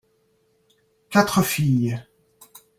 quatre filles.